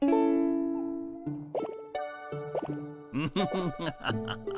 フフフハハハハ。